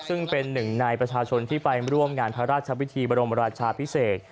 ซึ่งเป็นหนึ่งในประชาชนที่ไปร่วมงานพระราชพิธีบรมราชาพิเศษ